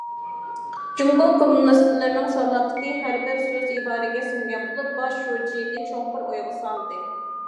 جۇڭگو كوممۇنىستلىرىنىڭ سالاپىتى ھەر بىر سۆز- ئىبارىگە سىڭگەن بولۇپ، باش شۇجىنى چوڭقۇر ئويغا سالدى.